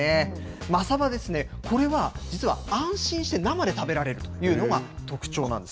マサバですね、これは、実は安心して生で食べられるというのが特徴なんです。